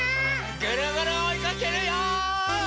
ぐるぐるおいかけるよ！